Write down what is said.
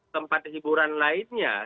tempat hiburan lainnya